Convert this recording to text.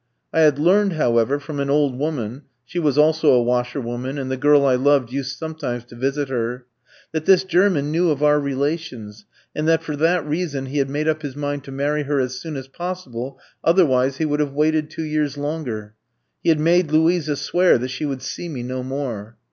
I had learned, however, from an old woman (she was also a washerwoman, and the girl I loved used sometimes to visit her), that this German knew of our relations, and that for that reason he had made up his mind to marry her as soon as possible, otherwise he would have waited two years longer. He had made Luisa swear that she would see me no more.